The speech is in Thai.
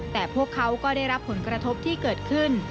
แต่พวกเขาก็ได้รับผลกระทบที่เกิดขึ้น